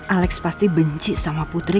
alex pasti benci sama putri